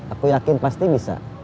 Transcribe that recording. aku yakin pasti bisa